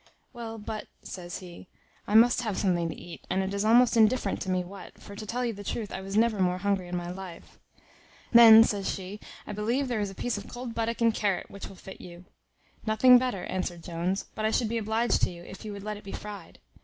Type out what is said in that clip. "Well, but," says he, "I must have something to eat, and it is almost indifferent to me what; for, to tell you the truth, I was never more hungry in my life." "Then," says she, "I believe there is a piece of cold buttock and carrot, which will fit you." "Nothing better," answered Jones; "but I should be obliged to you, if you would let it be fried."